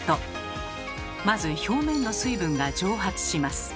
まず表面の水分が蒸発します。